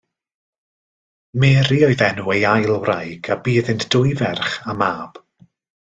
Mary oedd enw ei ail wraig a bu iddynt dwy ferch a mab.